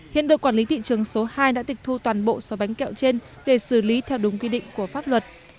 hiện đội quản lý thị trường số hai đã tịch thu toàn bộ số bánh kẹo trên để xử lý theo đúng quy định của pháp luật